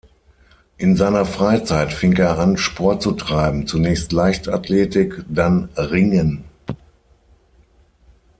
In seiner Freizeit fing er an Sport zu treiben, zunächst Leichtathletik, dann Ringen.